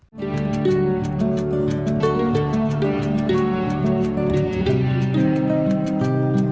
hãy đăng ký kênh để ủng hộ kênh của mình nhé